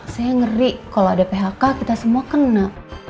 saya ngeri kalau ada phk kita semua kena